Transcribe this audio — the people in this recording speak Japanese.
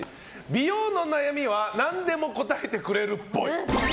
美容の悩みは何でも答えてくれるっぽい。